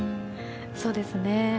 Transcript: そうですね。